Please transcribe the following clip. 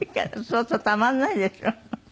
そうするとたまんないでしょ。